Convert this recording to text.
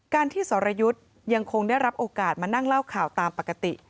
การที่สรยุทธ์ยังคงได้รับโอกาสมานั่งเล่าข่าวตามปกติ